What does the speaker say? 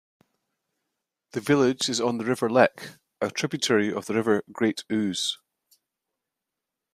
The village is on the River Leck, a tributary of the River Great Ouse.